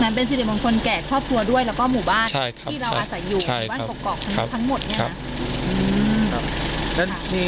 เป็นสิริมงคลแก่ครอบครัวด้วยแล้วก็หมู่บ้านที่เราอาศัยอยู่บ้านกรอกทั้งหมดเนี่ยนะ